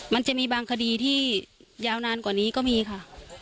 มันจะมีบางคดีที่ยาวนานกว่านี้ก็มีค่ะ